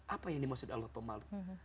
apa yang dimaksud allah pemalu